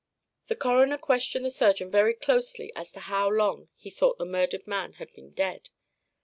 The coroner questioned the surgeon very closely as to how long he thought the murdered man had been dead.